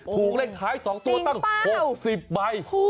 ถูกเลขค้าย๒ตัวตั้ง๖๐ใบโอ้โฮจริงเปล่า